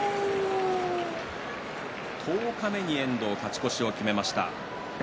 十日目に遠藤、勝ち越しを決めました。